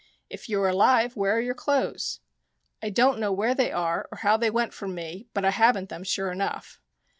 " If you are alive, where are your clothes ?"" I don't know where they are or how they went from me, but I haven't them, sure enough."